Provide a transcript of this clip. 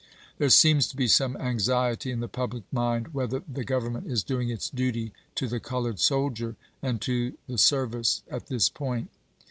There seems to be some anxiety in the public mind whether the Government is doing its duty to the colored soldier, and to the service, at this point.